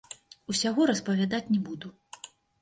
Усяго распавядаць не буду.